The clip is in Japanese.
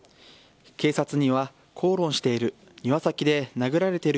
警察には、口論している。